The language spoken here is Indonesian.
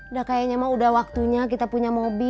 udah kayaknya mah udah waktunya kita punya mobil